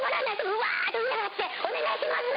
うわーっと上に上がって、お願いします。